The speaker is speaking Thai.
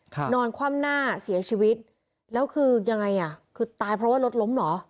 นอนคว่ำหน้าเสียชีวิตแล้วคือยังไงอ่ะคือตายเพราะว่ารถล้มเหรอ